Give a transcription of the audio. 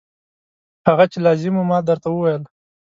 هغه چې لازم و ما درته وویل.